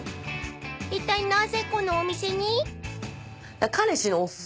［いったいなぜこのお店に？］